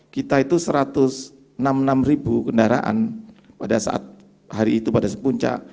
kita itu satu ratus enam puluh enam ribu kendaraan pada saat hari itu pada sepuncak